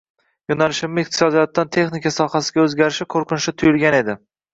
Yoʻnalishimni iqtisodiyotdan texnika sohasiga oʻzgarishi qoʻrqinchli tuyulgan edi.